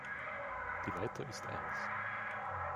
Die Leiter ist eins.